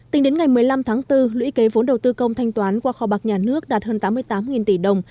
tính đến ngày một mươi năm tháng bốn lũy kế vốn đầu tư công thanh toán qua kho bạc nhà nước đạt hơn tám mươi tám tỷ đồng